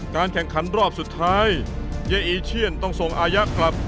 แข่งขันรอบสุดท้ายเย้อีเชียนต้องส่งอายะกลับ